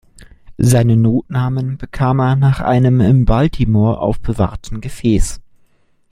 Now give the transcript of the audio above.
Seinen Notnamen bekam er nach einem in Baltimore aufbewahrten Gefäß.